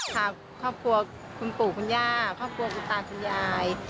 พาครอบครัวคุณปู่คุณย่าครอบครัวคุณตาคุณยาย